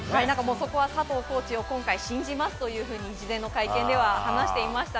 そこは佐藤コーチを今回、信じますと事前の会見では話していました。